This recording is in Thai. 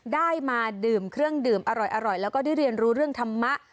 ได้มาดื่มเครื่องดื่มอร่อยแล้วก็ได้เรียนรู้เรื่องธรรมะ